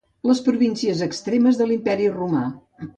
Les províncies extremes de l'imperi Romà.